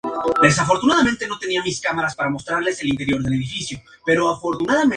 Cuenta entre sus alumnos de más renombre a Rufino y a san Jerónimo.